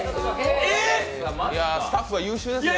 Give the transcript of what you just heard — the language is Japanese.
スタッフが優秀ですね。